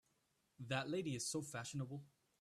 That lady is so fashionable!